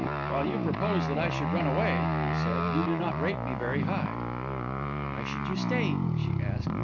"While you propose that I should run away?" I said. "You do not rate me very high." "Why should you stay?" she asked.